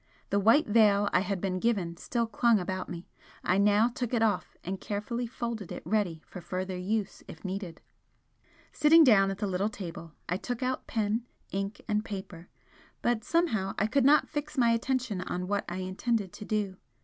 The white veil I had been given still clung about me, I now took it off and carefully folded it ready for further use if needed. Sitting down at the little table, I took out pen, ink and paper, but somehow I could not fix my attention on what I intended to do.